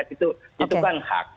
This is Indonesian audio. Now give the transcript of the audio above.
itu kan hak